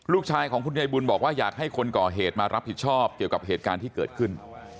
ลูกชายของคุณยายบุญบอกว่าอยากให้คนก่อเหตุมารับผิดชอบเกี่ยวกับเหตุการณ์ที่เกิดขึ้น